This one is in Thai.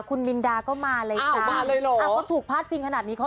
คุณมิลดาก็มาเลยค่ะ